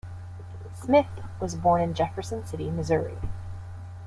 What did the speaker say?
Smith was born in Jefferson City, Missouri.